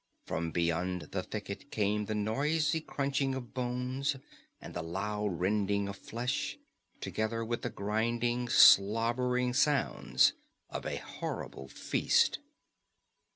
From beyond the thicket came the noisy crunching of bones and the loud rending of flesh, together with the grinding, slobbering sounds of a horrible feast.